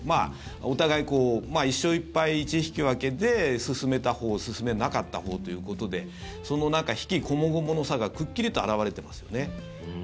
お互い１勝１敗１引き分けで進めたほう進めなかったほうということでその悲喜こもごもの差がくっきりと表れてますよね。